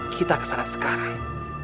kita kesana sekarang